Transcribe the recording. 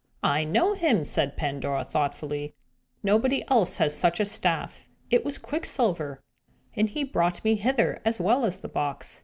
"I know him," said Pandora, thoughtfully. "Nobody else has such a staff. It was Quicksilver; and he brought me hither, as well as the box.